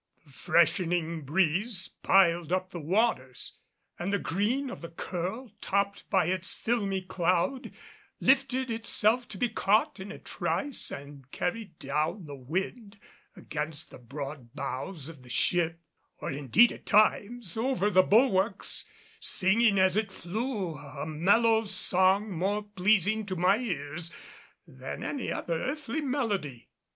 The freshening breeze piled up the waters, and the green of the curl topped by its filmy cloud lifted itself to be caught in a trice and carried down the wind against the broad bows of the ship, or indeed at times, over the bulwarks, singing as it flew a mellow song more pleasing to my ears than any other earthly melody.